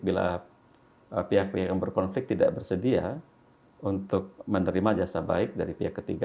bila pihak pihak yang berkonflik tidak bersedia untuk menerima jasa baik dari pihak ketiga